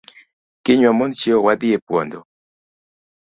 Kiny wamond chieo wadhii e puondo